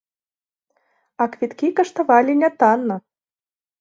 А квіткі каштавалі нятанна.